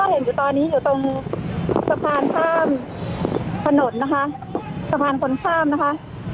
ตอนนี้อยู่ตรงสะพานข้างถนนนะคะ